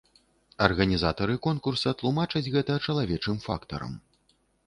Арганізатары конкурса тлумачаць гэта чалавечым фактарам.